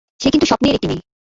সে কিন্তু স্বপ্নের একটি মেয়ে।